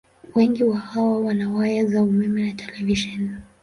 Wengi wa hawa wana waya za umeme na televisheni.